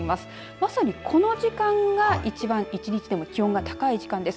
まさに、この時間が一番１日でも気温が高い時間です。